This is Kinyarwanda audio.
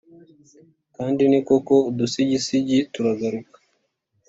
Kandi ni koko, udusigisigi tuzagaruka,